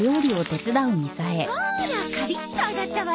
ほらカリッと揚がったわ。